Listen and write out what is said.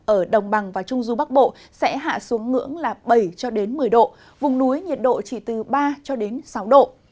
ở đồng bằng và trung du bắc bộ sẽ hạ xuống ngưỡng bảy một mươi độ vùng núi nhiệt độ chỉ từ ba sáu độ